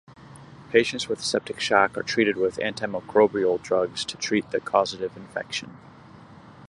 Patients with septic shock are treated with antimicrobial drugs to treat the causative infection.